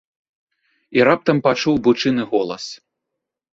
І раптам пачуў бычыны голас.